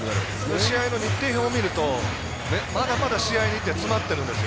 試合の日程表を見るとまだまだ試合日程が詰まってるんですよ。